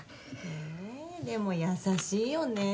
えでも優しいよねぇ。